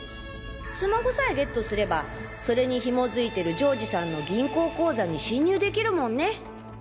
スマホさえゲットすればそれに紐づいてる丈治さんの銀行口座に侵入できるもんね。